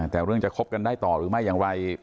แต่เรื่องจะคบกันได้ต่อหรือไม่อย่างไร